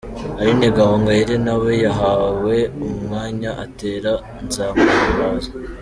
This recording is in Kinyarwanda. Aline Gahongayire na we yahawe umwanya atera 'Nzamuhimbaza'.